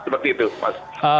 seperti itu pak